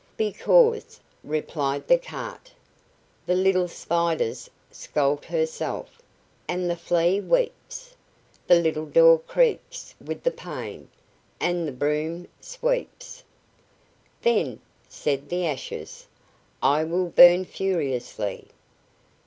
"Because," replied the cart: "The little Spider's scalt herself, And the Flea weeps; The little door creaks with the pain, And the broom sweeps." "Then," said the ashes, "I will burn furiously."